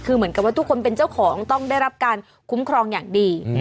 คือเหมือนกับว่าทุกคนเป็นเจ้าของต้องได้รับการคุ้มครองอย่างดี